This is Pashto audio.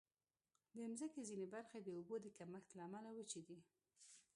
د مځکې ځینې برخې د اوبو د کمښت له امله وچې دي.